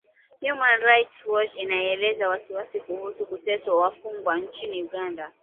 Human Rights Watch inaelezea wasiwasi kuhusu kuteswa wafungwa nchini Uganda